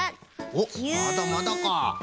おっまだまだか。